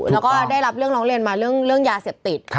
แล้วก็ได้รับเรื่องร้องเรียนมาเรื่องยาเสพติด